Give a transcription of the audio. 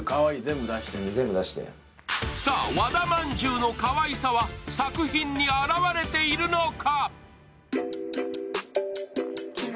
和田まんじゅうのかわいさは作品に現れているのか。